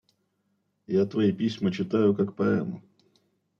Я твои письма читаю, как поэму.